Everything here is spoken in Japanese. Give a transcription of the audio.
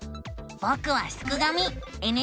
ぼくはすくがミ。